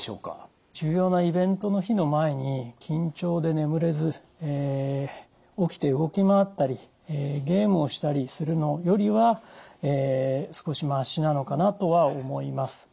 重要なイベントの日の前に緊張で眠れず起きて動き回ったりゲームをしたりするのよりは少しましなのかなとは思います。